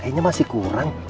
kayaknya masih kurang